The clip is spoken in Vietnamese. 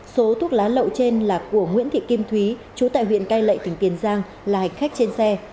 số thuốc lá lậu trên là của nguyễn thị kim thúy chú tại huyện cai lệ tỉnh tiền giang là hành khách trên xe